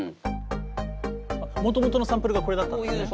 もともとのサンプルがこれだったんですね。